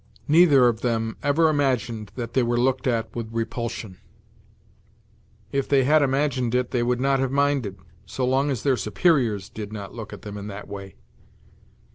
Neither of them ever imagined that they were looked at with repulsion; if they had imagined it they would not have minded so long as their superiors did not look at them in that way.